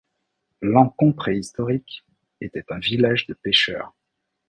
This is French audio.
L’Ancón préhistorique était un village de pêcheurs.